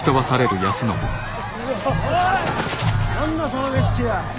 何だその目つきは。